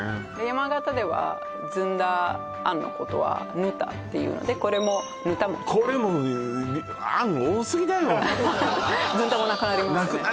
山形ではずんだ餡のことはぬたっていうのでこれもぬた餅これも餡多すぎだよずんだもなくなりますよね